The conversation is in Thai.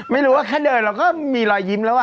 ไม่รู้ว่าแค่เดินเราก็มีรอยยิ้มแล้ว